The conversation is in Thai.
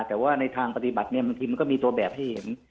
แต่ว่าในทางปฏิบัติบางทีมันก็มีตัวแบบให้เห็น